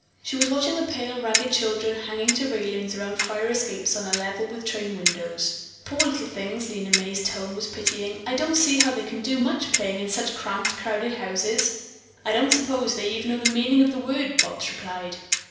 She was watching the pale, ragged children hanging to railings around fire escapes on a level with the train windows. "Poor little things!" Lena May's tone was pitying, "I don't see how they can do much playing in such cramped, crowded places." "I don't suppose they even know the meaning of the word," Bobs replied.